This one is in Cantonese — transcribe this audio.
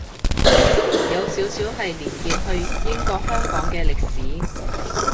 有少少係連結去英國香港嘅歷史